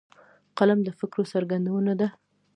قلم د فکرو څرګندونه ده